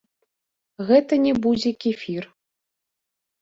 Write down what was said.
Гэта не будзе кефір.